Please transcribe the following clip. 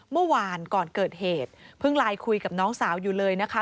เมื่อวานก่อนเกิดเหตุเพิ่งไลน์คุยกับน้องสาวอยู่เลยนะคะ